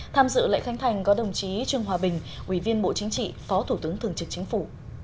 tham dự lễ khánh thành có đồng chí trương hòa bình ủy viên bộ chính trị phó thủ tướng thường trực chính phủ